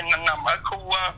nằm ở khu